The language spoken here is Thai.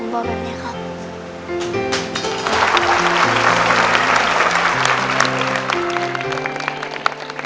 บอกแบบนี้ครับ